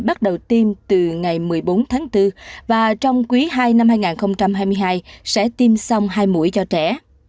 bắt đầu tiêm từ ngày một mươi bốn tháng bốn và trong quý ii năm hai nghìn hai mươi hai sẽ tiêm xong hai mũi cho trẻ